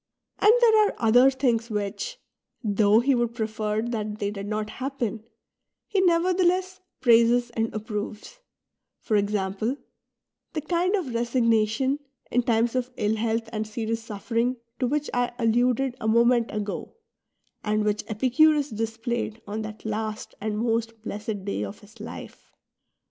And there are other things which, though he would prefer that they did not happen, he nevertheless praises and approves, — for example, the kind of resignation, in times of ill health and serious suffering, to which I alluded a moment ago, and which Epicurus displayed on that last and most blessed day of his life.